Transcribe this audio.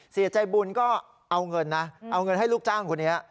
เสียใจบุญก็เอาเงินนะเอาเงินให้ลูกจ้างคนนี้